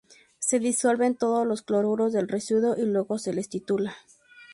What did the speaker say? Se disuelven todos los cloruros del residuo y luego se les titula.